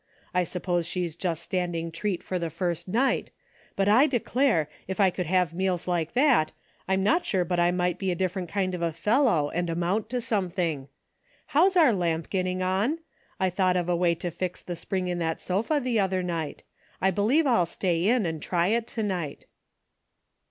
I suppose she's just standing treat for the first night, but I declare, if I could have meals like that, I'm not sure but I might be a different kind of a fellow and amount to something. How's our lamp getting on ? I thought of a way to fix the spring in that sofa the other night. I be lieve I'll stay in and try it to night."